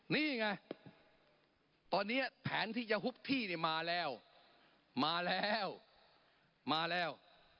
นี่ไงตอนนี้แผนที่จะฮุบที่เนี่ยมาแล้วมาแล้วมาแล้ว